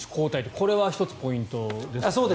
これは１つ、ポイントですね。